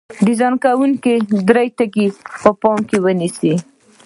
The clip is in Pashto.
ډیزاین کوونکي درې ټکي په پام کې نیسي.